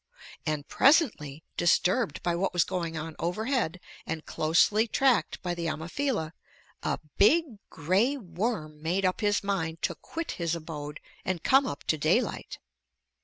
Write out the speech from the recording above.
And presently, disturbed by what was going on overhead and closely tracked by the Ammophila, a big gray worm made up his mind to quit his abode and come up to daylight.